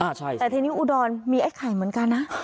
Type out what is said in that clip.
ใช่แต่ทีนี้อุดรมีไอ้ไข่เหมือนกันนะ